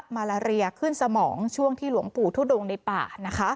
มาลาเรียขึ้นสมองช่วงที่หลวงปู่ทุดงในป่า